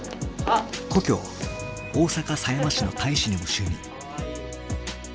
故郷大阪狭山市の大使にも就任。